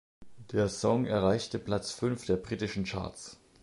Der Song erreichte Platz fünf der britischen Charts.